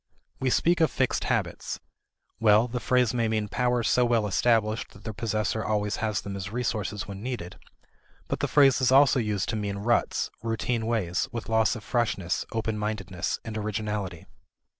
We speak of fixed habits. Well, the phrase may mean powers so well established that their possessor always has them as resources when needed. But the phrase is also used to mean ruts, routine ways, with loss of freshness, open mindedness, and originality.